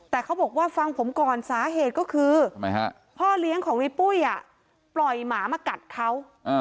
แต่เขาบอกว่าฟังผมก่อนสาเหตุก็คือพ่อเลี้ยงของในปุ้ยปล่อยหมามากัดเขา